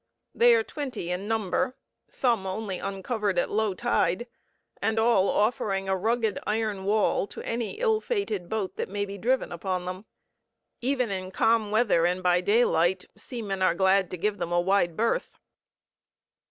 They are twenty in number, some only uncovered at low tide, and all offering a rugged iron wall to any ill fated boat that may be driven upon them. Even in calm weather and by daylight seamen are glad to give them a wide berth.